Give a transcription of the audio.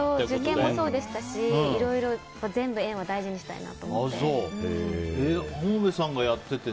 受験もそうでしたしいろいろ全部縁を大事にしたいなと思って。